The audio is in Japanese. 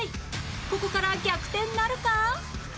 ここから逆転なるか？